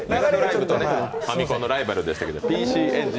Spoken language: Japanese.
ファミコンのライバルでしたけど。